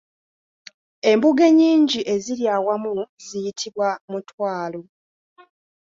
Embugo ennyingi eziri awamu ziyitibwa Mutwalo.